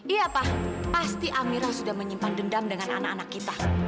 iya pak pasti amira sudah menyimpan dendam dengan anak anak kita